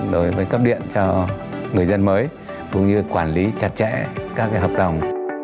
đối với cấp điện cho người dân mới cũng như quản lý chặt chẽ các hợp đồng